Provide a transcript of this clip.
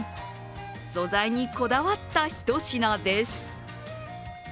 素材にこだわったひと品です。